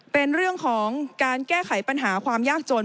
เป็นเรื่องของการแก้ไขปัญหาความยากจน